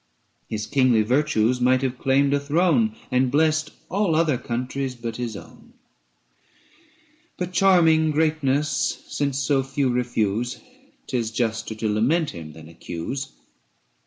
His kingly virtues might have claimed a throne And blessed all other countries but his own ; But charming greatness since so few refuse, 485 'Tis juster to lament him than accuse.